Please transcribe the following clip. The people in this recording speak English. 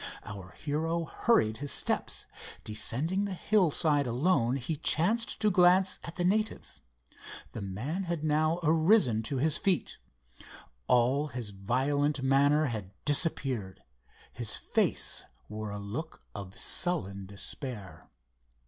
Our hero hurried his steps. Descending the hillside alone he chanced to glance at the native. The man had now arisen to his feet. All his violent manner had disappeared. His face wore a look of sullen despair.